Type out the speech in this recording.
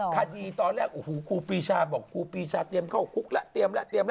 คดีตอนแรกครูปีชาเตรียมเข้าคุกแล้ว